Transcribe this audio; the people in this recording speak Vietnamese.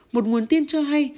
một nguồn tin cho hay